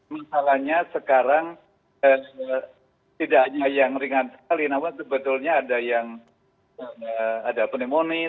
masalahnya sekarang tidak hanya yang ringan sekali namun sebetulnya ada yang ada pneumonia